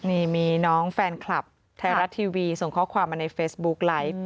นี่มีน้องแฟนคลับไทยรัฐทีวีส่งข้อความมาในเฟซบุ๊กไลฟ์